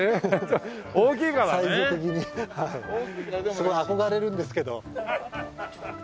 すごい憧れるんですけど。